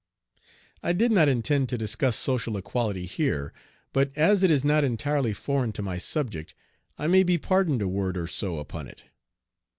I did not intend to discuss social equality here, but as it is not entirely foreign to my subject I may be pardoned a word or so upon it.